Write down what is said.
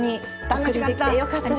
楽しかった！